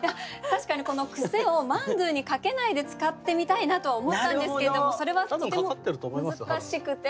確かにこの「クセ」を「マンドゥ」にかけないで使ってみたいなとは思ったんですけどそれはとても難しくて。